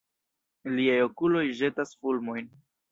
Liaj okuloj ĵetas fulmojn!